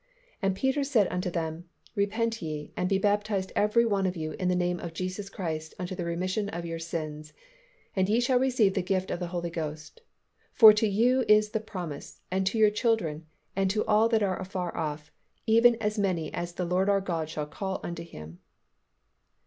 "And Peter said unto them, Repent ye, and be baptized every one of you in the name of Jesus Christ unto the remission of your sins; and ye shall receive the gift of the Holy Ghost. For to you is the promise, and to your children, and to all that are afar off, even as many as the Lord our God shall call unto Him."